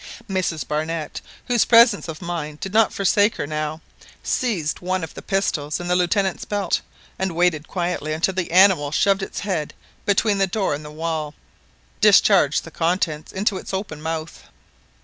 Mrs Barnett, whose presence of mind did not forsake her now, seized one of the pistols in the Lieutenant's belt, and waiting quietly until the animal shoved its head between the door and the wall, discharged the contents into its open mouth.